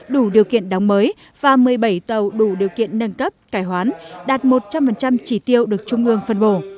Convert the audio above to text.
đủ điều kiện đóng mới và một mươi bảy tàu đủ điều kiện nâng cấp cải hoán đạt một trăm linh chỉ tiêu được trung ương phân bổ